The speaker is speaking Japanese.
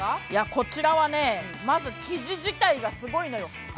こちらはね、まず生地自体がすごいのよ。